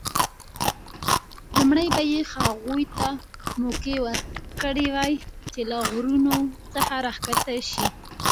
لومړی به یې هغوی ته موقع ورکړې وای چې له غرونو څخه راښکته شي.